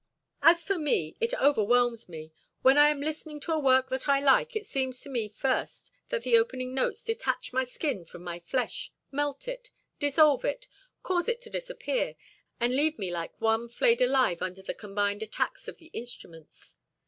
"As for me, it overwhelms me. When I am listening to a work that I like, it seems to me first that the opening notes detach my skin from my flesh, melt it, dissolve it, cause it to disappear, and leave me like one flayed alive, under the combined attacks of the instruments.